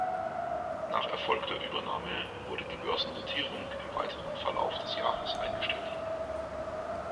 Nach erfolgter Übernahme wurde die Börsennotierung im weiteren Verlauf des Jahres eingestellt.